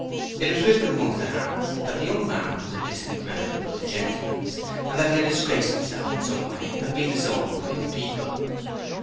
It was whispered amongst the hands that the young man was a distant relative of the gentleman's, and that he had disgraced himself in some way and been disowned by his people.